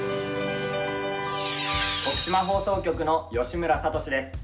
徳島放送局の義村聡志です。